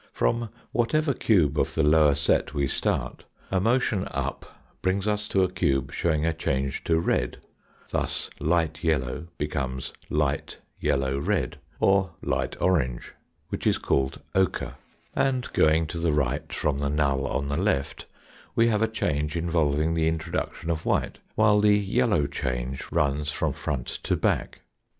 From whatever cube of the lower set we start, a motion up brings us to a cube showing a change to red, thus light yellow becomes light yellow red, or light orange, which is called ochre, And going tq the 140 THE FOURTH DIMENSION right from the null on the left we have a change involving the introduction of white, while the yellow change runs from front to back.